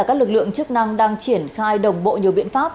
các lực lượng chức năng đang triển khai đồng bộ nhiều biện pháp